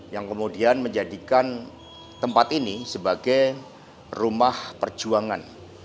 yang kemudian menjadikan tempat ini sebagai rumah perjuangan